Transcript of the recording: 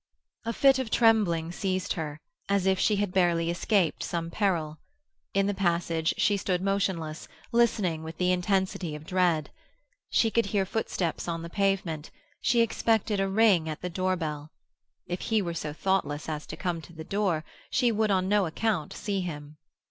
A fit of trembling seized her, as if she had barely escaped some peril. In the passage she stood motionless, listening with the intensity of dread. She could hear footsteps on the pavement; she expected a ring at the door bell. If he were so thoughtless as to come to the door, she would on no account see him.